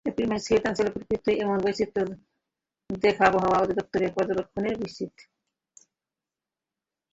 April মাসে সিলেট অঞ্চলে প্রকৃতির এমন বৈচিত্র্যে খোদ আবহাওয়া অধিদপ্তরের পর্যবেক্ষকেরাও বিস্মিত।